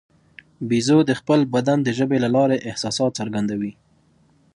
بیزو د خپل بدن د ژبې له لارې احساسات څرګندوي.